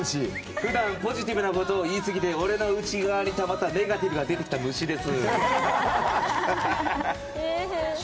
普段、ポジティブなことを言ってるのに内側からたまったネガティブな出てきた虫です。